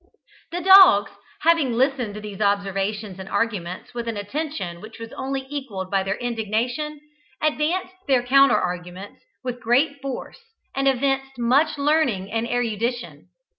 The dogs, having listened to these observations and arguments with an attention which was only equalled by their indignation, advanced their counter arguments with great force, and evinced much learning and erudition.